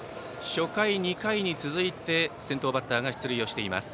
初回、２回に続いて先頭バッターが出塁しています。